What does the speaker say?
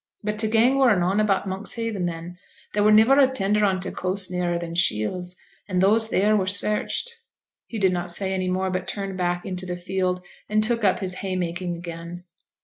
But t' gang were noane about Monkshaven then: there were niver a tender on t' coast nearer than Shields, an' those theere were searched.' He did not say any more, but turned back into the field, and took up his hay making again.